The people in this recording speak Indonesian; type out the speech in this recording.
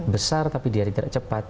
besar tapi tidak cepat